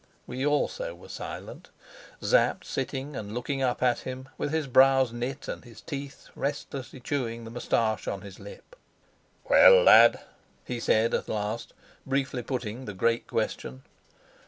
We also were silent, Sapt sitting and looking up at him with his brows knit and his teeth restlessly chewing the moustache on his lip. "Well, lad?" he said at last, briefly putting the great question.